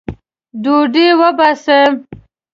ډوډۍ وباسئ